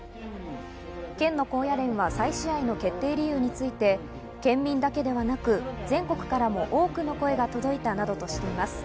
県の高野連は再試合の決定理由について、県民だけではなく、全国からも多くの声が届いたなどとしています。